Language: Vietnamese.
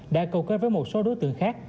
đã câu kết với một số đối tượng khác